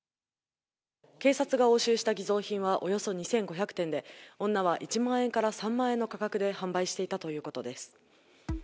警察が押収した偽造品はおよそ２５００点で女は１万円から３万円の価格で販売していたということです。